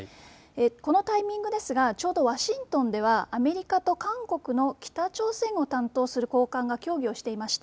このタイミングですがちょうどワシントンではアメリカと韓国の北朝鮮を担当する高官が協議をしていました。